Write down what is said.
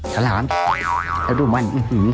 ไถน